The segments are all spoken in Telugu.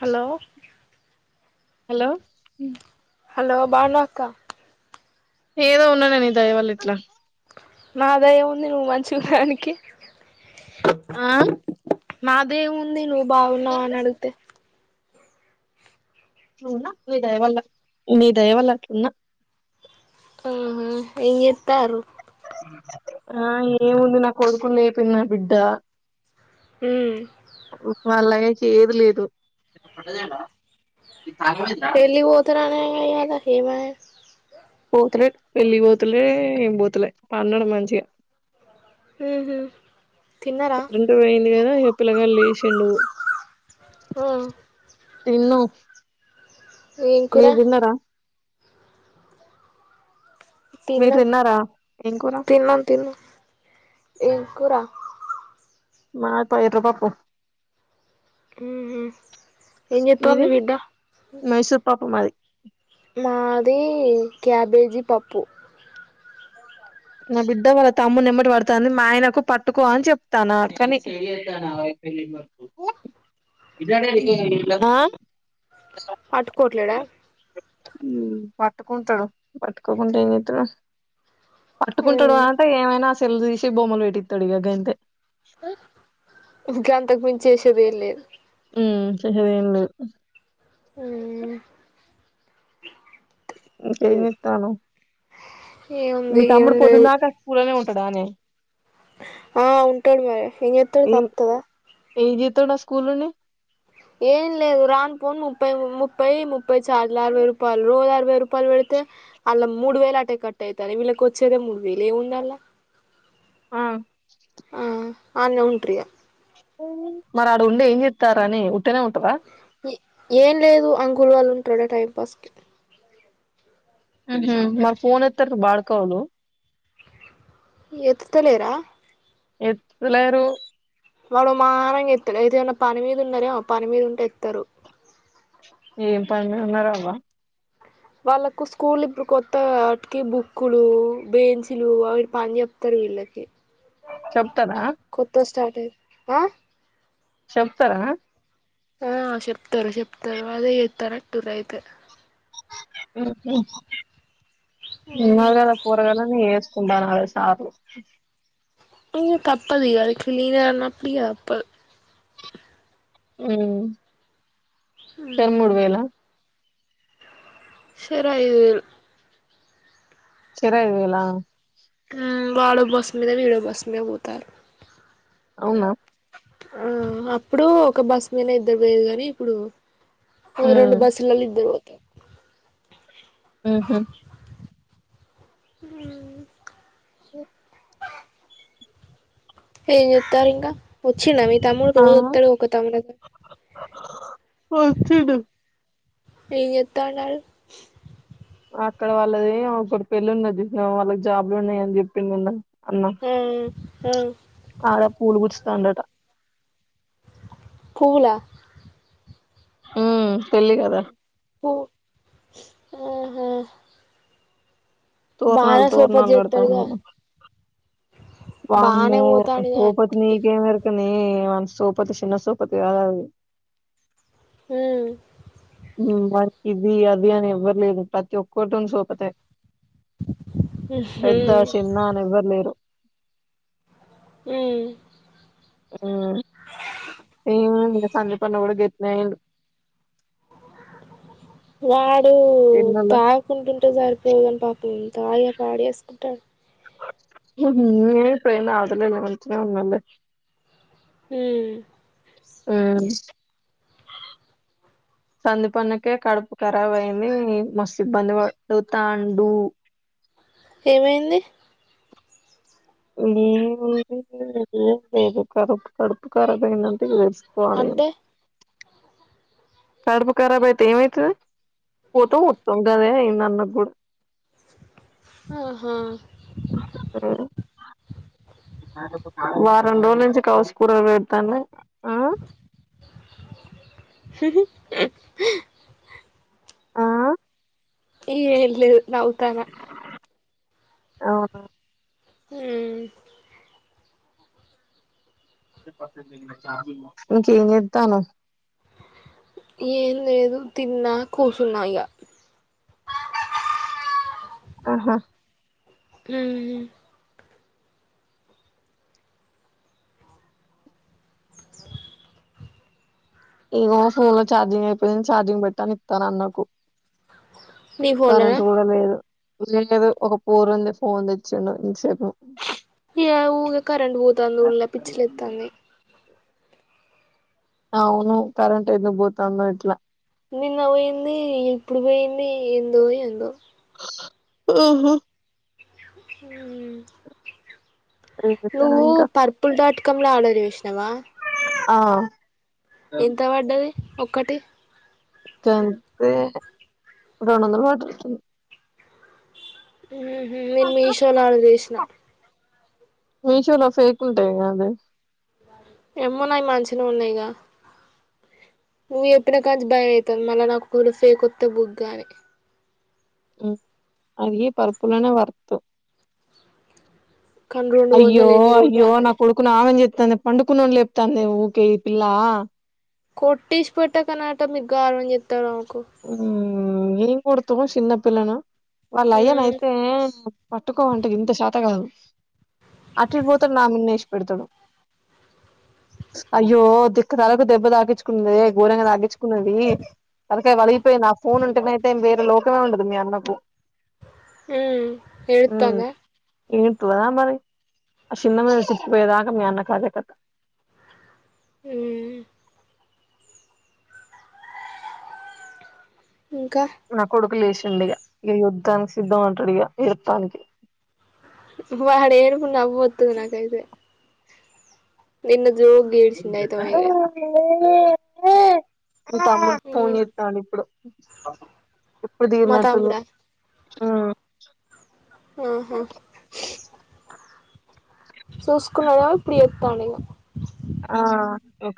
హలో హలో హలో బాగున్నావా అక్క ఏదో ఉన్నా గదా ని దయవల్ల గిట్లా నా దయ ఏముంది నువ్వు మంచిగా ఉండడానికి ఆ నాదేముంది నువ్వు బాగున్నావా అని అడిగితే ఉన్నా మీ దయవల్లా మీ దయవల్ళ అట్లున్నా హ్హ్ ఏం చెత్తన్రు ఆ ఏముంది నాకు కొడుకునీ లేపింది నా బిడ్డ మ్మ్ వాళ్ళ అయ్యకు ఏది లేదు పెళ్ళికి పోతననే గదా ఇయ్యాల ఏమాయె పోతులేడు పెళ్ళిపోతలే ఏం పోతలే పన్నడు మంచిగా ఉహు తిన్నారా కరెంటు పోయింది కదా ఇ పిలగాడు లేసిండు హ తిన్నము ఏం కూర మీరు తిన్నాం తిన్నారా ఏం కూర తిన్నాం తిన్నాం ఏం కూర మా ది ఎర్ర పప్పు ఉహు ఏం చేత్తాంది ఇది మీ బిడ్డ మైసూర్ పప్పు మాది మాది క్యాబేజీ పప్పు నా బిడ్డ వాళ్ తమ్ము నిమ్మటి పడుతా మా ఆయనకు పట్టుకో అని చెప్తాను కాని ఆ అటుకోట్లేడ పట్టుకుంటాడు పట్టుకోకుండా ఏం చెతడు పట్టుకుంటాడు ఉమ్ అంటే ఏమైనా తెల్ దశ బొమ్మలు వట్టి తడు ఇగ గ అంత ఇంకా అంతకు మించ వసేది వేయ లేదు ఉ సరేన్న ఆ కమిత్తను మీ ఏముంది తమ్ముడు ఏం లేదు పోతున్నాక స్కూలనే ఉంటా నేను ఆ ఉంటోడు మరి ఇం ఎతడు తప్తదా ఏ జత నా స్కూల్ని ఏం లేదు రాన్ పోన్ ముప్పై ముప్పై ముప్పై చట్ల అరవై రూపాయ రజల ఇవై రూపాయలు పెడితే అల్లా మూడు వేలు అటే కట్ట అతానే వీళ్ళకి వచ్చేద మూడు వేలు ఏముంది అల్ ఆ ఆ అన్న ఉంట్రయా మరి ఆడు ఉండి ఏం చెతారని ఏం లేదు అంగులు వాళ్ళు ఉంటాడా టైం పాస్ కి మా ఫోన్ హత్తారు బాల్కవలు ఎతుతలేరా ఎతులరు వాళ్డుుమాారంగా ఎస్తారు ఏద ఏమైనా పని మీద ఉన్నారో ఆ పని మీద ఉంటే ఎస్తారు ఏం పని ఉన్నారు అబ వాళ్ళకు స్కూల్ ఇప్పుడు కొత్త వాటికి బుక్లు బెంచలు అవి పని చెప్తారు లకి చెప్తారా ఆ చెప్తారా ఆ చెప్తారు చెప్తారు అదే ఇతల టూర అయితే ద పూరగాల కుందానాళ సారు ఇ తప్పదు అదకిళ్లిరన్నా అప్పుటి తప్పదు అ ఆ సర అదు చర ఇవలా వాడో బస్ మీద విీడో బస్ మీద పోతారు అవునా ఆ అప్పుడు ఒక బస్ మీద ఇద్దరు పోయదు కాగాని ఇప్పుడు ఊ ఉమ్ రెండు బస్సులల్లో ఇద్దరు పోతారు ఆహా హ ఓ ఏం చెప్తారు ఇంకా వచ్చిండ మీ తమ్ముడు ఆ రోజు వస్తాడు ఒక తమ్ముడు ఒల్సిడు ఈ ఎత్తనా అక్కడ వాళ్ళది ఒకటి పెళ్ళి ఉన్నది వాళ్ళకి జాబ్లు ఉన్నాయ అని చెప్పి నిన్న అన్నా ఆ ఆ ఆడ పూలు పచ్చితంటటా పువ్వుల ఉ పెళ్లి కదా ఓ ఆహా తోరణాలు బానే సపోర్ట్ తోరణాలు కడతారు చేత్తడుగా కదా బానే వామో పోతాండుగా సోపతి అన్నిటికీ నీకే మెరక అంది సోపతి చిన్న సోపతి కాదు అంది ఉ వానికి ఇది అది అని ఎవ్వరు లేదు ప్రతి ఒక్కరి తోని సోపతి ఉహూ పెద్ద చిన్న అని ఎవ్వరు లేరు ఉ ఉ ఏమో సందీప్ అన్న కూడా గిఫ్ట్ అయిండు వాడు ఎన్నోళ్ళ తాగకుండా ఉంటే సరిపోతది తాగే పాడేసుకుంటాడు ఏ ఫ్రైన్ అదల ఉంత ఉన్ మళ ఉ ఉ సందీప్ అన్నకి కడుపు ఖరాబ్ అయింది మస్తు ఇబ్బంది పడు తాండు ఏమైంది కడుపు కడుపు ఖరాబు అయిందని తెలుసు పోవాలి ఇగ అంటే కడుపు కరాబ్ అయితే ఏమైతుది పోతాం వత్తాం గదే అయిది అన్నకు కూడా ఆహా వారం రోజుల నుంచి కౌసు కూరలు పెడతాన ఆ ఉ ఆ ఏం లేదు నవ్వుతున్న అవును ఉ ఇంకా ఏం చేతన్నావ్ ఏం లేదు తిన్నా కూర్చున్నా ఇగ కోడి అరుపు ఆహా ఉ హు ఈగో ఫోన్ లో ఛార్జింగ్ అయిపోయి ఛార్జింగ్ పెడతాడని ఇత్తన్న అన్నకు నీ ఫోన్లనా కరెంటు కూడా లేదు లేదు ఒక ఫోన్ ఉంది ఫోన్ తెచ్చిండు ఇంతసేపు ఏ ఊకె కరంట్ పోతంది ఉల్లా పిచ్చిలేెతాంది అవును కరెంట్ ఎందుకు పోతా ఇట్లా నిన్న పోయింది ఇప్పుడు పోయింది ఏందో ఏందో ఉ హు ఏం చెప్తానవ్ నువ్వు ఇంకా పర్పుల్ డాట్ కమ్లా ఆర్డర్ చేసినవా ఆ ఎంత పడ్డది ఒక్కటి దానికి రెండు వందల పడ్డది ఉ హు నేను మీషోలో ఆర్డర్ చేసిన మీషోలో ఫేక్ ఉంటాయి కథనే ఏమో నాయి మంచి గా ఉన్నాయిగా నువ్వు ఎప్పిన కాంచి భయ అవుతుది మళ్ళీ నాకు ఫేక్ అద్దె బుగ్గ అని అ పరుపులోనే వర్తు కానీ రెండు అయ్యో వందలు ఎన్ని రోజులు అయ్యో నా రాలేదు కొడుకును ఆగం జెత్ తనే పండుకున్న లేపుతాందే ఊకే ఈ పిల్లా కొట్టిష్పటకన్నాట మీగా గావురం జెత్తాన్నవు. మ్ ఏం కొడతావ్ చిన్నపిల్లను వాళ్ళ ఉమ్ అయ్యనైతే పట్టుకోమంటే గింత శాత కాదు. అటు ఇటు ఓతడు నా మీదనే ఇష్ పెడతాడు. అ అయ్యో దిక్కతలకు దెబ్బ తాగించుకున్నదే ఘోరంగా తాగించుకున్నది తలక్ తలకాయ వలిగిపోయింది ఆ ఫోన్ ఉంటేనైతే వేర లోకమే ఉండదు. మీ అన్నకు ఉమ్ ఎడ్తాందా యెడ్తాదా మరి ఆ చిన్న మెదడు చితికిపోయేదాక మీ అన్నకు అదే కథ ఉమ్ ఇంకా నా కొడుకు లేసిండు ఇగ ఇగ యుద్ధానికి సిద్ధం అంటాడు ఇగ ఏడ్తానికి వాడి ఏడుపు నవ్వువతది నాకైతే నిన్న జోరుగా ఏడ్చిండు అ అయితమయిగా మీ తమ్ముడు ఫోన్ ఉమ్ జెతాండు ఇప్పుడు ఇప్పుడు మా తీర్నటుంది. తమ్ముడా ఉమ్ ఆహా! చూసుకున్నాడేమో ఇప్పుడు ఎత్తండిగా ఆ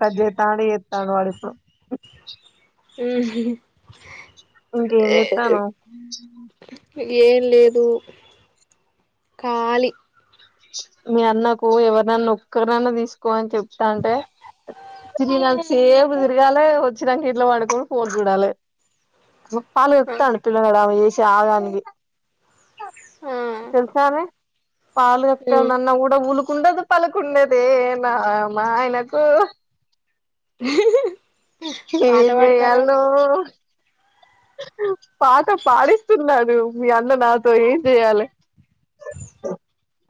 కట్ జెత్తంటే ఎత్తండు వాడు ఇప్పుడు ఇంక ఏం ఉమ్ జిత్తానవ్? ఏం లేదు ఖాలి. మీ అన్నకు ఎవరినైన్నా ఒక్కరినన్న తీసుకోని చెప్తా అంటే తిరిగినంత సేపు తిరగాలే వచ్చినంక ఇంట్లో వండుకొని ఫోన్ చూడాలే పాలు ఆ కక్కుతండు పిల్లగడమె ఏషే ఆగానికి ఆ తెల్సానే పాలు ఉమ్ కాక్తండు అన్న గూడా ఉలుక్ ఉండదు పలుకుండదే నా మా ఆయనకు [inaudible] పాట ఎంజేయలేనో పాడతానవుగా పాట పాడిస్తున్నాడు. మీ అన్న నాతో ఏం జేయాలే?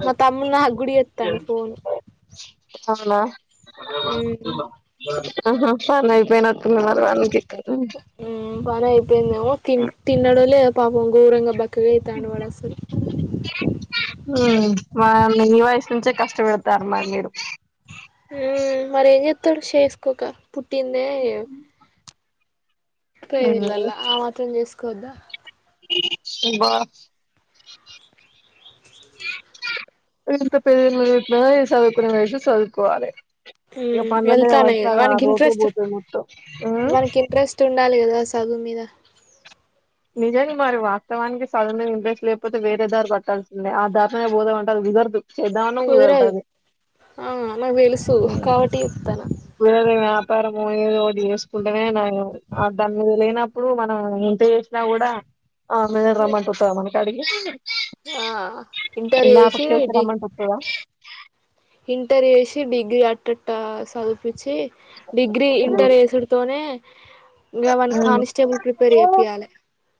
మా తమ్ముడు నా గూడ ఎత్తండు ఫోన్ అవునా ఆహా పని అయిపోయినాట్ ఉమ్ పని అయిపోయిందేమో తి తిన్నడో లేదో పాపం గోరంగా బక్ క్కగా అయితండు వాడు అసలు ఉమ్ వాన్ ఈ వయసు నుంచే కష్టపేడతారు మరి మీరు ఉమ్ మరి ఏం జెత్తడు చేసుకోక పుట్టిందే పేదఇల్లల్లా ఆ మాత్రం చేస్కోవద్ద షిబ్బ ఇంకా పెళ్లిలు గిట్ల చదువుకునే వయసుల చదువుకోవాలి. ఇగ మ్మ్ పనుల మీద వెళ్తాన్నాయి కదా పడుతాదా వానికి రోటే ఇంట్రెస్ట్ పోతది మొత్తం ఉమ్ వెట్టాలి కదా సదువు మీద నిజానికి మరి వాస్తవానికి సదువు మీద ఇంట్రెస్ట్ లేకపోతే వేరే దారి పట్టాల్సిందే ఆ దారినే పోదామంటే అది కుదరదు. చేద్దామన్నా కుదరదు అది ఆ నాకుతెలుసు ఉమ్, కావట్టి చెప్తాన్న. వేరే వ్యాపారము ఏదోటి చేసుకుంటేనే నయం. దాని మీద లేనప్పుడు మనం ఎంత చేసినా కూడా ఆ మెదడు రమ్మంటే వత్తద మన కాడికి ఆ ఇంటర్ ఇలా చేసి పక్షంశ డి రమ్మంటే వత్తదా? ఇంటర్ ఏసి డిగ్రీ అట్టట్ట సవ్ చూపిచ్చి డిగ్రీ ఇంటర్ ఏసడుతోనే ఇంగా వాన్ని ఉమ్ ఖానిస్టేబుల్ ప్రిపేర్ ఏపియాలే.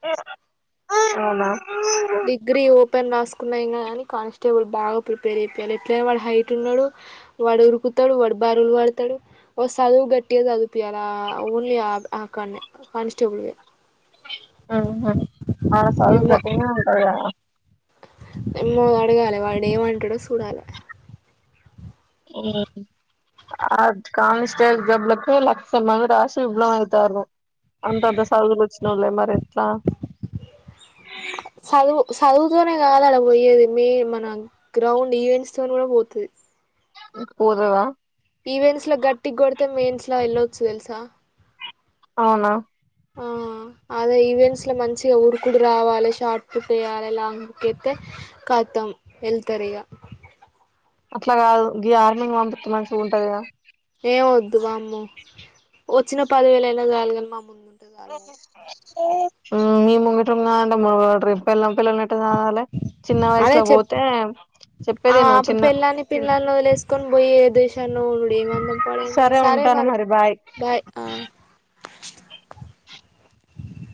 అవునా డిగ్రీ ఓపెన్ రాసుక్ కున్న ఏం కాని కానిస్టేబుల్ బాగా ప్రిపేర్ యేపియ్యాలె. ఎట్లయిన వాడు హైట్ ఉన్నాడు, వాడు ఉరుకుతడు, వాడు బరువులు వడతడు, ఓ సదువు గట్టిగా సదువ్ పియలే ఆ ఓన్లీ ఆ కాన్నె కనిస్టబుల్వె. అహ ఆ సదువు గట్టిగనే ఉంటద్. ఎమ్మో అడగాలె, వాడు ఎం అంటడొ సూడాలె. ఓం రాపియి. ఆ కానిస్టబుల్ జాబ్లకి లక్ష మంది రాశి, విఫలం అయితార్రు. అంతంత సదువులు ఒచ్చిన వొళ్ళే మరి ఎట్లా. చదువు చదువుతోనే కాదు ఆడ వొయ్యేది, మెయిన్ మన గ్రౌండ్ ఈవెంట్స్ తోని కూడా వొతది. ఉహ్ పోతదా. ఈవెంట్స్లో గట్టిగ కొడితే మెయిన్స్ లో వెళ్ళొచ్చు తెలుసా. అవునా ఆ అదే ఈవెంట్స్ లో మంచిగా ఉరుకుడు రావాలి, షార్ట్ పుట్ వేయాలి, లాంగ్ పుట్ ఎత్తే మొత్తం వెళ్తరిగ. అట్లా కాదు గి ఆర్మింగ్ పంపిత్తె మంచిగ ఉంటది కదా. ఏం వద్దు వామ్మో వచ్చిన పదివేలయినా సాలుగని మా ముందు. ఉంటే చాలు వాడు మీ ముంగట ఉన్న అంటే మాడు ట్రిప్ పెళ్ళాం, పిల్లల్ని ఎట్ సాగాలే, చిన్న అదే వయసుల చెప్ పోతే. ఆ చెప్పేదిను అప్పుడు చిన్న పెళ్ళాని, పిల్లల్ని వదిలేసుకొని పోయి ఏ దేశమ్ లొ ఉండుడు. ఏం అందం పాడయింది. సరే. మరి, బాయ్ ఆ.